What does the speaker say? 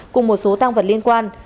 cùng một số tăng vật liên quan